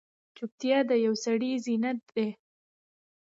چوپتیا، د پوه سړي زینت دی.